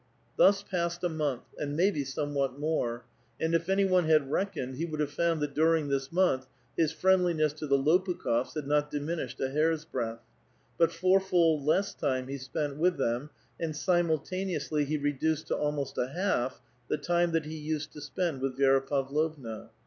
Thus passed a month, and maybe somewhat more ; and if any one had reckoned, he would have found that during this month his friendliness to the Lopukh6fs had not dimin ished a hair's breadth ; but fourfold less time he spent with them, and simultaneously he reduced to almost a half the time that he used to spend with Vi^ra Pavlovna.